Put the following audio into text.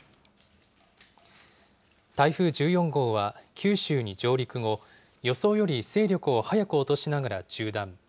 台風１４号は、九州に上陸後、予想より勢力を早く落としながら縦断。